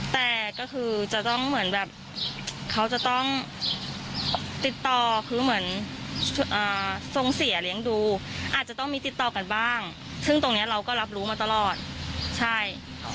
แต่ก็คือจะต้องเหมือนแบบเขาจะต้องติดต่อคือเหมือนทรงเสียเลี้ยงดูอาจจะต้องมีติดต่อกันบ้างซึ่งตรงนี้เราก็รับรู้มาตลอดใช่